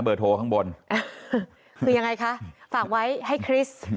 โทรข้างบนคือยังไงคะฝากไว้ให้คริสต์